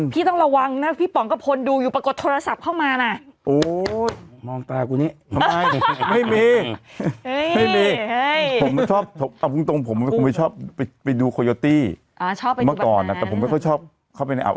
ไปดูผู้หญิงเต้นหย่อง